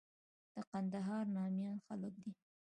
د کندهار ناميان خلک دي.